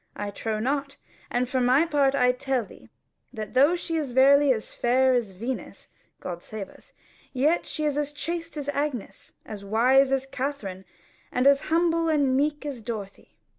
I trow not. And for my part I tell thee, that though she is verily as fair as Venus (God save us) yet is she as chaste as Agnes, as wise as Katherine, and as humble and meek as Dorothy.